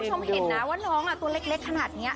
คุณผู้ชมเห็นนะว่าน้องตัวเล็กขนาดนี้